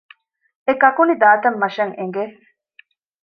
އެ ކަކުނި ދާ ތަން މަށަށް އެނގެ